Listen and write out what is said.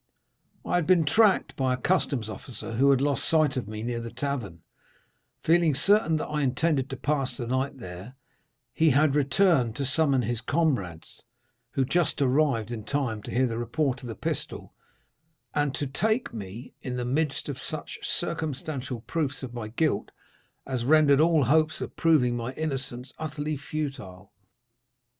"I had been tracked by a customs officer, who had lost sight of me near the tavern; feeling certain that I intended to pass the night there, he had returned to summon his comrades, who just arrived in time to hear the report of the pistol, and to take me in the midst of such circumstantial proofs of my guilt as rendered all hopes of proving my innocence utterly futile.